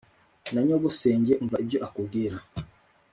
Na nyogosenge, umva ibyo akubwira